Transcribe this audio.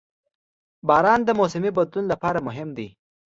• باران د موسمي بدلون لپاره مهم دی.